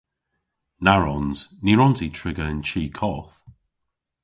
Na wrons. Ny wrons i triga yn chi koth.